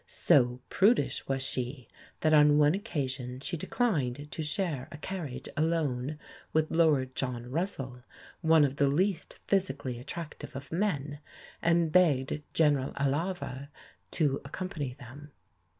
So prudish was she that on one occasion she declined to share a carriage alone with Lord John Russell, one of the least physically attractive of men, and begged General Alava to accompany them.